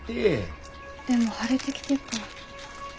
でも腫れてきてっから。